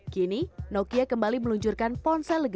kini nokia kembali meluncurkan ponsel yang berbeda